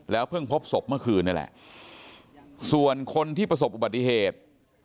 เพิ่งพบศพเมื่อคืนนี่แหละส่วนคนที่ประสบอุบัติเหตุ